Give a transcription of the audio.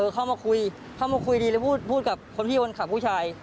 เข้ามาคุยคุยดีเลยพูดกับคนที่ควรขับผู้ชาย